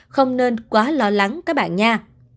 không nên quá lo lắng các bạn nha